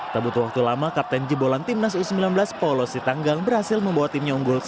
tak butuh waktu lama kapten jebolan timnas u sembilan belas paulo sitanggang berhasil membawa timnya unggul satu